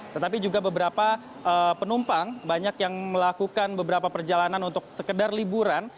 tetapi juga beberapa penumpang banyak yang melakukan beberapa perjalanan untuk sekedar liburan